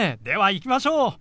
では行きましょう！